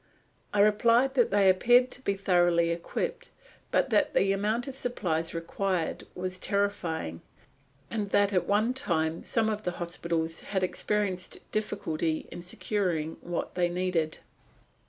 I replied that they appeared to be thoroughly equipped, but that the amount of supplies required w&s terrifying and that at one time some of the hospitals had experienced difficulty in securing what they needed.